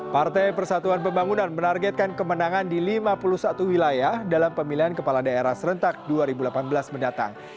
partai persatuan pembangunan menargetkan kemenangan di lima puluh satu wilayah dalam pemilihan kepala daerah serentak dua ribu delapan belas mendatang